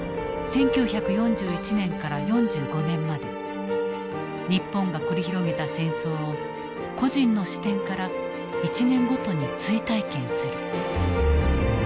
１９４１年から４５年まで日本が繰り広げた戦争を個人の視点から１年ごとに追体験する。